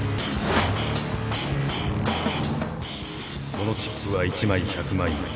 このチップは１枚１００万円。